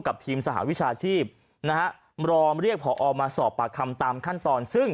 กับทีมสหวิชาชีพนะฮะรอเรียกผอมาสอบปากคำตามขั้นตอนซึ่ง